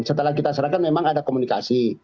setelah kita serahkan memang ada komunikasi